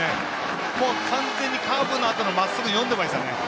完全にカーブのあとのまっすぐ読んでいましたね。